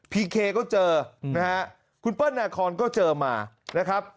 พลชเขก็เจอคุณเปิ้ลนากรก็เจอมานะครับ